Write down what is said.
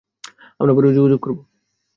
আমরা পরে যোগাযোগ করবো।